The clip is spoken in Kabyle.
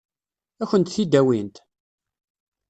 Ad kent-t-id-awint?